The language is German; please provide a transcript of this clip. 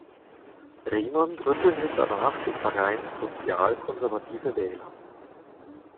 Riemann gründete danach den Verein "Sozial Konservative Wähler".